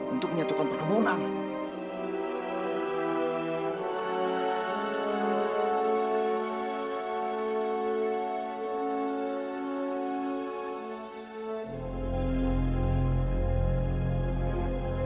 untuk menyatukan perkebunan